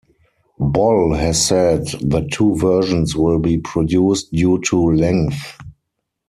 Boll has said that two versions will be produced due to length.